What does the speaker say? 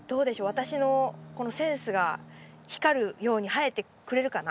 私のこのセンスが光るように生えてくれるかな？